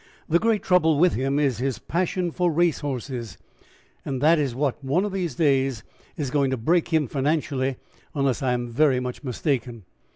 The great trouble with him is his passion for race horses, and that is what, one of these days, is going to break him financially, unless I am very much mistaken.